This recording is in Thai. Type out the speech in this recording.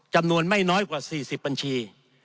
จำนวนไม่น้อยกว่า๔๐บัญชี